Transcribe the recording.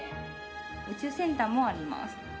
宇宙センターもあります。